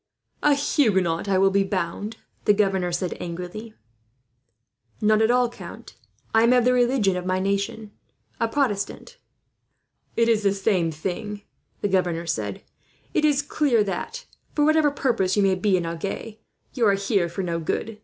"A Huguenot, I will be bound?" the governor said angrily. "Not at all, count. I am of the religion of my nation a Protestant." "It is the same thing," the governor said. "It is clear that, for whatever purpose you may be in Agen, you are here for no good.